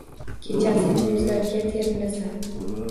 — Kechasi yulduzlarga termilasan.